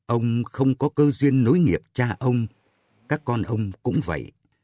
ông không có cơ duyên nối nghiệp cha ông các con ông cũng vậy